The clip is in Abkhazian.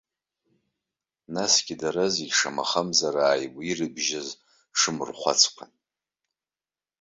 Насгьы, дара зегьы шамахамзар ааигәа ирыбжьаз ҽы-мархәацқәан.